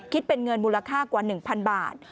คิดเป็นเงินมูลค่ากว่า๑๐๐๐บาท